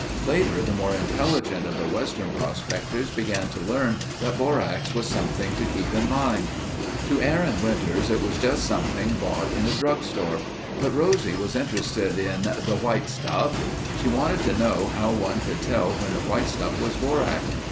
Later the more intelligent of the western prospectors began to learn that borax was something to keep in mind. To Aaron Winters it was just something bought in a drug store, but Rosie was interested in the "white stuff." She wanted to know how one could tell when the white stuff was borax.